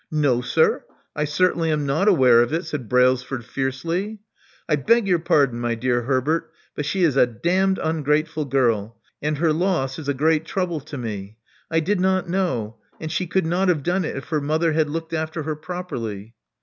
"No, sir, I certainly am not aware of it," said Brailsford fiercely. *'I beg your pardon, my dear Herbert; but she is a damned ungrateful girl; and her loss is a great trouble to me. I did not know; and she could not have done it if her mother had looked after her properly.